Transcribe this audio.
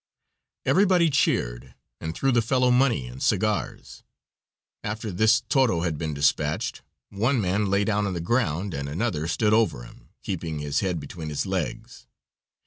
Everybody cheered, and threw the fellow money and cigars. After this toro had been dispatched, one man lay down on the ground and another stood over him, keeping his head between his legs.